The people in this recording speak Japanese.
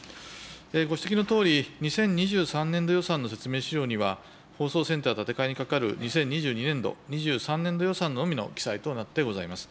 ご指摘のとおり、２０２３年度予算の説明資料には、放送センター建て替えにかかる２０２２年度、２３年度予算のみの記載となってございます。